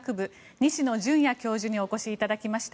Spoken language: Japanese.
西野純也教授にお越しいただきました。